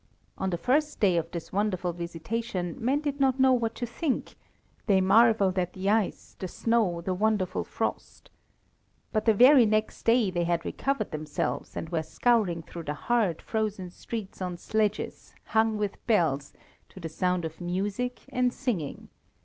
On the first day of this wonderful visitation men did not know what to think; they marvelled at the ice, the snow, the wonderful frost. But the very next day they had recovered themselves, and were scouring through the hard, frozen streets on sledges, hung with bells, to the sound of music and singing.